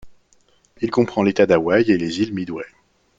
Il comprend l'État d'Hawaï et les îles Midway.